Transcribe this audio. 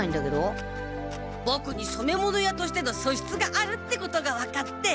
ボクにそめ物屋としてのそしつがあるってことが分かって。